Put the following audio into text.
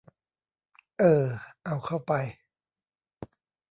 เออ เอาเข้าไป